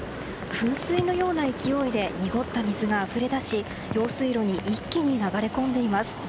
噴水のような勢いで濁った水があふれ出し用水路に一気に流れ込んでいます。